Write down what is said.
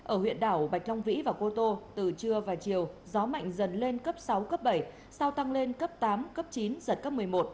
ở huyện đảo bạch long vĩ và cô tô từ trưa và chiều gió mạnh dần lên cấp sáu cấp bảy sau tăng lên cấp tám cấp chín giật cấp một mươi một